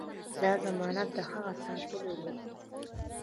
دا ضمانت د هغه ساتلو دی.